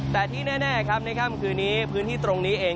แต่ที่แน่คืนนี้พื้นที่ตรงนี้เอง